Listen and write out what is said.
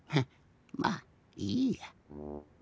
まあいいや。